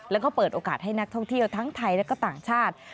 แล้วก็เปิดโอกาสให้นักท่องเที่ยวทั้งไทยและก็ต่างชาติ